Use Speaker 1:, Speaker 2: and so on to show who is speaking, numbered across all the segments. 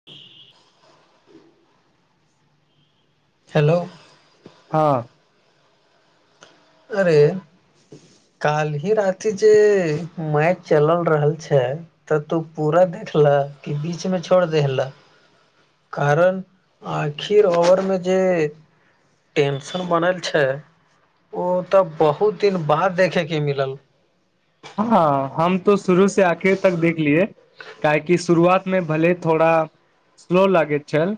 Speaker 1: [unintelligible] hello
Speaker 2: हँ
Speaker 1: अरे काल्हि ही राति जे मैच चलल रहल छै तऽ तू पूरा देख लै कि बीच में छोड़ देलहे कारण आखिर ओवर मे जे टेन्शन बनल छै ओ तऽ बहुत दिन बाद देखे के मिलल
Speaker 2: हँ हम तो शुरू से आखिर तक देखलियै काहकि शुरुआतमे भल थोड़ा स्लो लागैत छल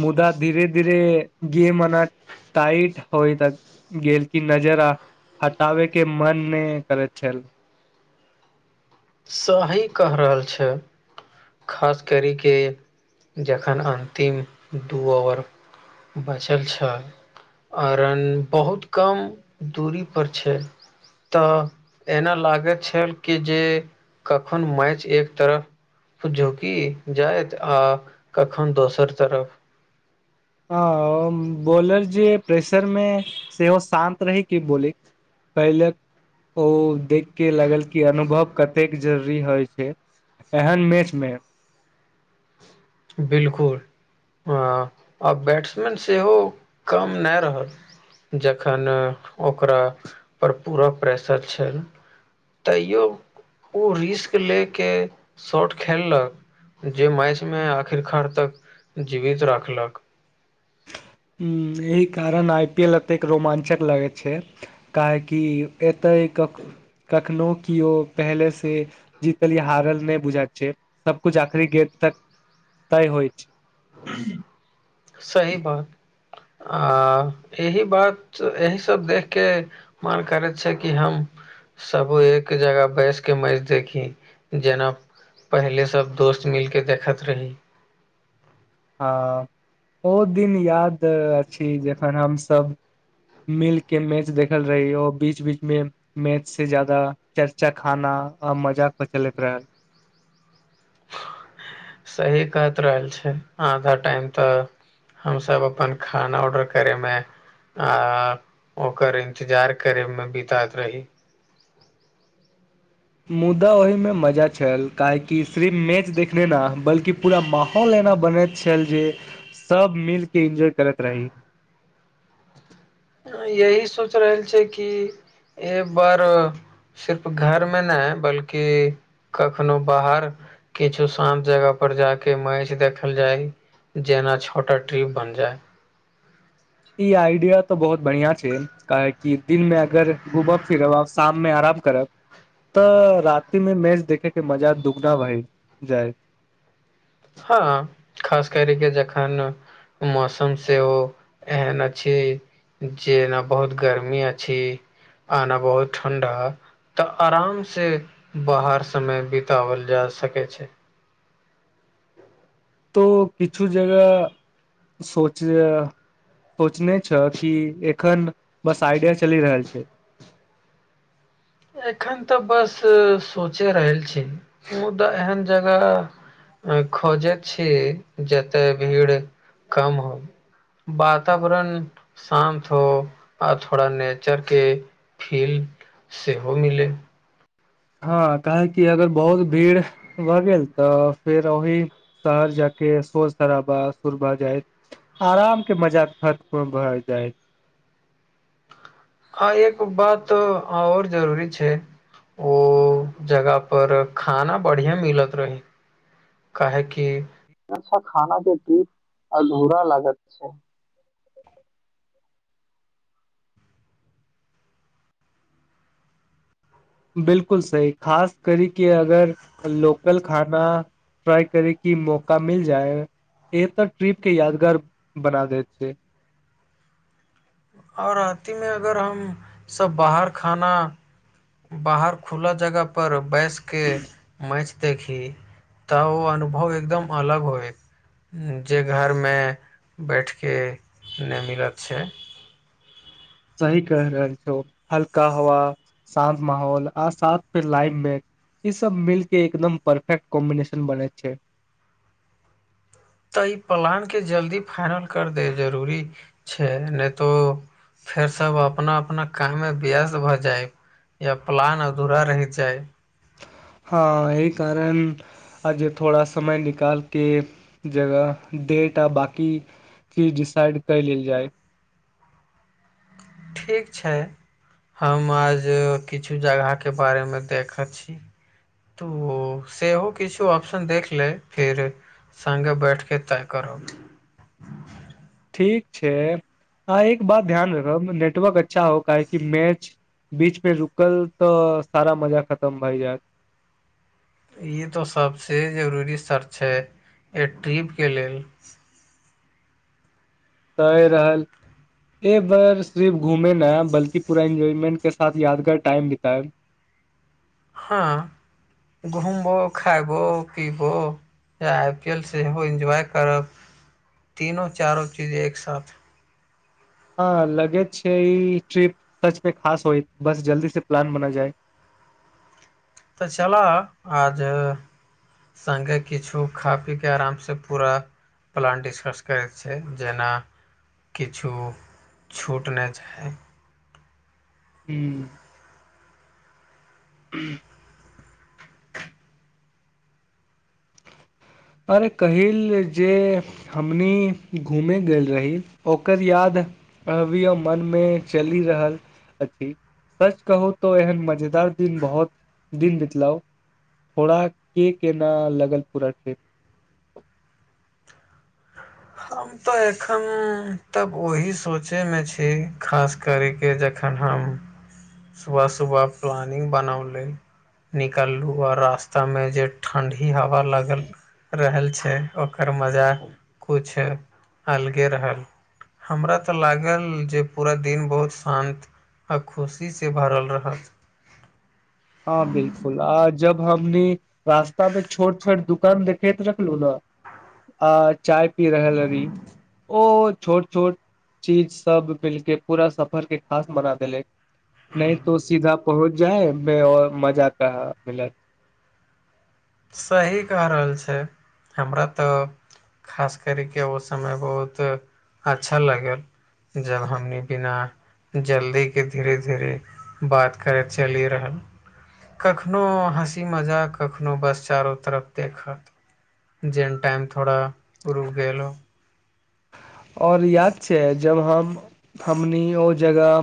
Speaker 2: मुदा धीरे धीरे गे मनक टाइट होयथ तक गेल कि नजरा हटाबे के मन नहि करैत छल
Speaker 1: सही कहि रहल छै खास करिके जखन अन्तिम दू ओवर बचल छल आ रन बहुत कम दूरी पर छै तऽ एना लागैत छल कि जे कखन मैच एक तरफ झुकि जाइत आ कखन दोसर तरफ
Speaker 2: आ बॉलर जे प्रेशर मे सेहो शान्त रहै कि बॉलिक कैले ओ देखके लागल कि अनुभव कतेक जरूरी होइ छै एहन मैच में
Speaker 1: बिलकुल ह आ बैट्समैन सेहो कम नहि रहल जखन ओकरा पर पूरा प्रेशर छैल तैयौ ओ रिस्क ले के शर्ट खेललक जे मैच में आखिर तक जीवित राखलक
Speaker 2: हुँ एहि कारण आई पी एल एतेक रोमांचक लगैत छै काहेकि एतै क कखनोहु किओ पहले से जीतल या हारल नहि बुझा छै सब कुछ आखिरी गेंद तक तैय होइ छै
Speaker 1: सही बात आ यही बात यही सब देखके मन करैत छै कि हम सब एक जगह बैस के मैच देखी जेना पहिले सब दोस्त मिलके देखैत रही
Speaker 2: हँ ओ दिन याद अछि जखन हमसभ मिल के मैच देखल रही ओ बीच बीच मे मैच से जाददा चर्चा खाना आ मजाक पर चलैत रहै
Speaker 1: सही कहत रहल छै आधा टाइम तऽ हमस अपन खाना ऑर्डर करे मे आ ओकर इंतजार करे मे बिताइत रही
Speaker 2: मुदा ओहिमे मजा छल काहेकि सिर्फ मैच देखने न बल्कि पूरा माहौल एना बनैत छल जे सब मिलके इन्जॉय करैत रही
Speaker 1: यही सोच रहल छै कि एक बार सिर्फ घर मे नहि ह बल्कि कखनो बाहर किछु शान्त जगह पर जााक मैच देखल जाइ जेना छोटा ट्रिप बनि जाय
Speaker 2: ई आइडिया तऽ बहुत बढ़िया छै काह कि दिनमे अगर घुमब फिरब आ शाम मे आराम करब तऽ राति मे मैच देखे के मजा दुगना भय जाय
Speaker 1: हँ खास कर के जखन मौसम सेहो एहन अछि जेना बहुत गर्मी अछी आ ने बहुत ठंडा तऽ आराम से बाहर समय बितावल जा सकै छै
Speaker 2: तो किछु जगह सोच ज सोचने छ कि एखन बस आइडिया चलि रहल छै
Speaker 1: एखन तऽ बस सोचे रहल छी मु मुदा एहन जगह खोजे छी जत भीड़ कम होय वातावरण शान्त हो आओर थोड़ा नेचर के फील्ड सेहो मिलै
Speaker 2: हँ काहे कि अगर बहुत भीड़ भऽ गेल तऽ फेर ओहहि शहर जाक सोर शराबा शुरबा जाय आराम के मजा खत्म भ जायत
Speaker 1: ह एगो बात आओर जरूरी छै ओ जगह पर खाना बढ़िया मिलत रहै काहेकि अच्छा खाना जे द अधूरा लागत छै
Speaker 2: बिल्कुल सही खास करी के अगर लोकल खाना ट्राइ करै की मौका मिल जाय य तऽ ट्रिप के यादगार बना दे छैै
Speaker 1: आओर रातीमे अगर हम सब बाहर खाना बाहर खुला जगह पर बैस के मैच देखी तऽ ओ अनुभव एकदम अलग होएत जे घरमे बैठिके नहि मिलत छै
Speaker 2: सही कहि रहल छ हल्का हवा शान्त माहौल आ साथ फेर लाइफ मे इ सब मिल के एकदम परफेक्ट कॉम्बिनेशन बने छै
Speaker 1: तऽ ई प्लान के जल्दी फाइनल कर दे जरूरी छै नहि तो फेर सब अपना अपना काम मे व्यस्त भऽ जाय या प्लान अधूरा रहि जाय
Speaker 2: हँ एहि कारण आज थोड़ा समय निकालके जगह डेट आ बाँकी की डिसाइड क लेल जाय
Speaker 1: ठीक छै हम आज किछु जगह के बारे मे देखैत छी तो सेहो किछो ऑप्शन देख ले फेर सङ्गे बैठके तय करब
Speaker 2: ठीक छै अह एक बात ध्यान रखब नेटवर्क अच्छा हो काहेकि मैच बीच मे रुकल तऽ सारा मजा खतम भए जायत
Speaker 1: ई तऽ सभसँ जरूरी सर्त छै एक ट्रिपके लेल
Speaker 2: सहि रहल एक बार सिर्फ घूमे न है बल्कि पूरा एन्जॉयमेन्ट के साथ यादगार टाइम बितायब
Speaker 1: हँ घुमबो खबो पीबो या आई पी एल सेहो एन्जॉय करब तीनो चारो चीज एक साथ
Speaker 2: हँ लगे छै ई ट्रिप सच मे खास होय बस जल्दी से प्लान बना जाय
Speaker 1: तऽ छलऽ आज सङ्गे किछो खा पी के आराम से पूरा प्लान डिस्कस करैत छै जेना किछु छूट नहि जाय
Speaker 2: हूँ अरे कहिल जे हमनी घूमे गेल रही ओकर याद अबियौ मनमे चलि रहल अछि सच कहू तो एहन मजेदार दिन बहुत दिन बितलाउ थोड़ा के केना लगल पूरा ट्रिप
Speaker 1: हम तऽ एखन तक ओहि सोचे मे छी खास करैके जखन हम सुबह सुबह प्लानिंग बनौली निकाललहुँ आओ रास्तामे जे ठण्डी हवा लागल रहल छै ओकर मजा कछ अलगे रहल हमरा तऽ लागल जे पूरा दिन बहुत शान्त आ खुशीसँ भरल रहत
Speaker 2: हँ बिलकुल आ जब हमनी रास्ता पे छोट छोट दुकान देखैत रखलु ने आ चाय पी रहल री ओ छोट छोट चीज सब मिलके पूरा सफर के खास बना देलै नहि तो सीधा पहुँच जाए मे मजा कहाँ मिलल
Speaker 1: सही कह रहल छै हमरा तऽ खास करिक ओ समय बहुत अच्छा लागल जबहमी बिना जल्दी के धीरे धीरे बात करैत चलि रहल कखनो हँसी मजाक कखनो बस चारो तरफ देखत जेहन टाइम थोड़ा रुक गेल हो
Speaker 2: और याद छै जब हम हमनी ओ जगह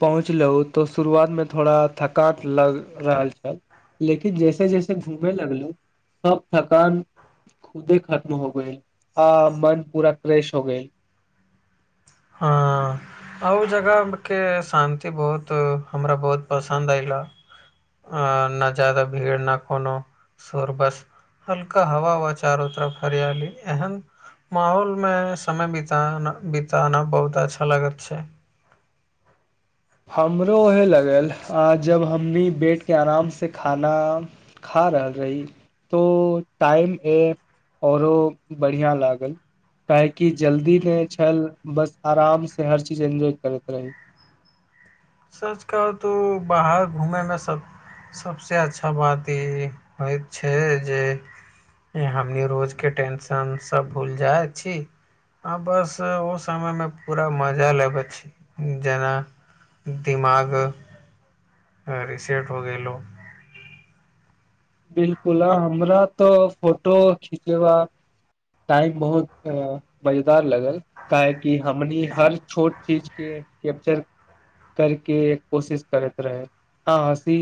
Speaker 2: पहुँचलहु तो शुरुआत मे थोड़ा थकान लग रहल छल लेकिन जैसे जैसे घुमेै लगलू सब थकान खुदे खत्म हो गेल आ मन पूरा क्रेश हो गेल
Speaker 1: हाँ आओर जगह के शान्ति बहुत हमरा बहुत पसन्द अयला अ न जादा भीड़ न कोनो शोर बस हल्का हा वा चारो तरफ हरियली एहन माहौलमे समय बीताना बीताना बहुत अच्छा लागत छै
Speaker 2: हमरो उएहे लगल आ जब हमनी बैठके आरामसँ खाना खा रहल रही तो टाइम ए औरो बढ़िया लागल काहेकि जल्दी नहि छल बस आराम से हर चीज एन्जॉय करैत रही
Speaker 1: सच कहु त बाहर घूमै मे सब सभसँ अच्छा बात ई होइत छै जे हमनी रोज के टेंशन सब भूल जाइ छी आ बस ओ समय मे पूरा मजा लेबे छी जेना दिमाग रिसेट हो गेलो
Speaker 2: बिलकुल आ हमरा तो फोटो खिचेबा टाइम बहुत मजेदार लगल काहेकि हमनी हर छोट चीज के कैप्चर करके कोशिश करैत रहै आँ हँसी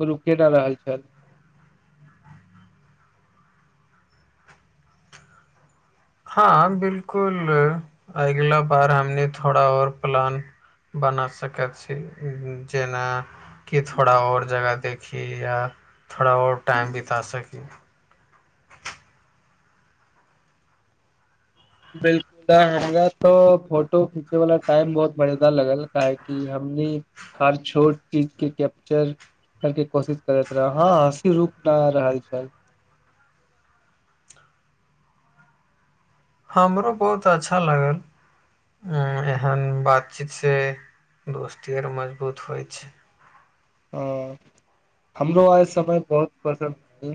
Speaker 2: गरु केना रहल छल
Speaker 1: हँ बिल्कुल अगिला बार हमने थोड़ा आर प्लान बना सकैत छी जेना कि थोड़ा आऔर जगह देखी या थोड़ा और टाइम बिता सकी
Speaker 2: बिल्कुल त हमरा तो फोटो खीचे वाला टाइम बहुत मजेदार लगल काह क हमनी हर छोट चीज के कैप्चर कर के कोशिश करैत रह हँ हँसी रुक न रहल छल
Speaker 1: हमरो बहुत अच्छा लागल उ एहन बातचीत से दोस्ती आर मजबूत होइ छै
Speaker 2: हँ हमरो आइ समय बहुत पसन्द ह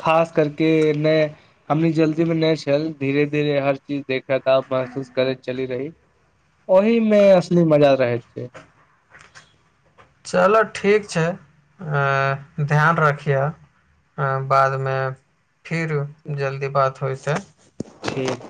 Speaker 2: खास करके ने हमनी जल्दी मे नहि छल धीरे धीरे हर चीज देख खेदाब महसूस करैत चली रही ओहि मे असली मजा रहै छै
Speaker 1: चलऽ ठीक छैय ऐं ध्यान रखिहऽ हँ बाद मे फिर जल्दी बात होइ से
Speaker 2: ठीक